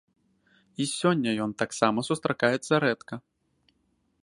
І сёння ён таксама сустракаецца рэдка.